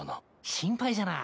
心配じゃなぁ。